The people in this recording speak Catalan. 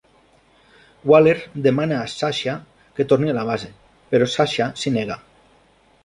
Waller demana a Sasha que torni a la base, però Sasha s'hi nega.